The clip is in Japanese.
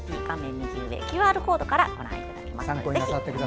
右上のＱＲコードからご覧いただけます。